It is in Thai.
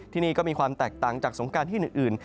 ที่นี่ก็มีความแตกต่างจากสงการที่อื่น